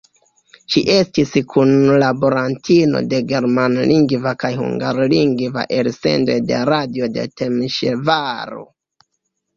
Ŝi estis kunlaborantino de germanlingva kaj hungarlingva elsendoj de radio de Temeŝvaro.